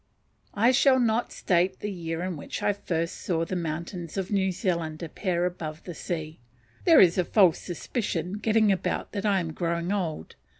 I shall not state the year in which I first saw the mountains of New Zealand appear above the sea; there is a false suspicion getting about that I am growing old.